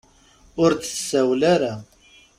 Ur d-tsawel ara.